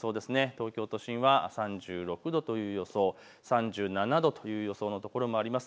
東京都心は３６度という予想、３７度という予想の所もあります。